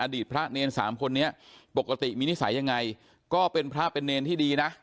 พระเนรสามคนนี้ปกติมีนิสัยยังไงก็เป็นพระเป็นเนรที่ดีนะ